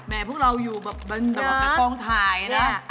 พวกเราอยู่แบบกับกองถ่ายนะ